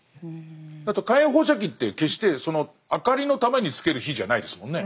あと火炎放射器って決してその明かりのためにつける火じゃないですもんね。